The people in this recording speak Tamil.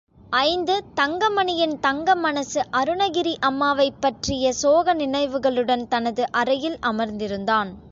ஐந்து தங்கமணியின் தங்க மனசு அருணகிரி அம்மாவைப் பற்றிய சோக நினைவுகளுடன் தனது அறையில் அமர்ந்திருந்தான்.